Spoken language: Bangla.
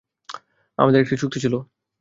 আমাদের একটি চুক্তি ছিল।